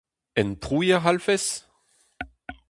En prouiñ a c'hallfes ?